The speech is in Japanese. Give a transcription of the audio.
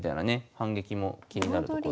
反撃も気になるところ。